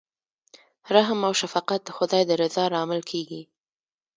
رحم او شفقت د خدای د رضا لامل کیږي.